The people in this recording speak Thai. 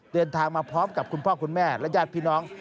เดินทางมาพร้อมกับคุณพ่อคุณแม่และญาติพี่น้อง